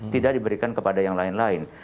tidak diberikan kepada yang lain lain